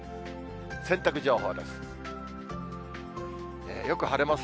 洗濯情報です。